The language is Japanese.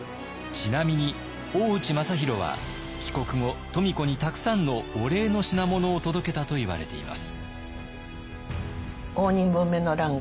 ちなみに大内政弘は帰国後富子にたくさんのお礼の品物を届けたといわれています。